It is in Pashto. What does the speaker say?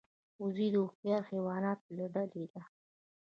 وزې د هوښیار حیواناتو له ډلې ده